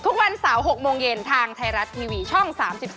ทุกวันเสาร์๖โมงเย็นทางไทยรัฐทีวีช่อง๓๒